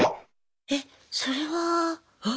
えっそれはん？